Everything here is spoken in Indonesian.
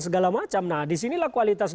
segala macam nah disinilah kualitas